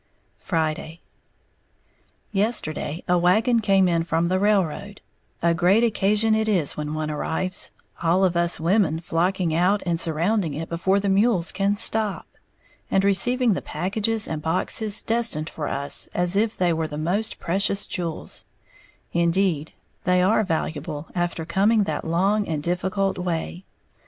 Friday. Yesterday a wagon came in from the railroad, a great occasion it is when one arrives, all of us women flocking out and surrounding it before the mules can stop, and receiving the packages and boxes destined for us as if they were the most precious jewels, indeed, they are valuable after coming that long and difficult way.